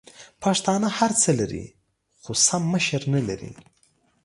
پښتانه هرڅه لري خو سم مشر نلري!